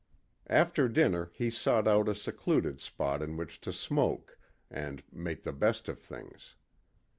After dinner he sought out a secluded spot in which to smoke and make the best of things.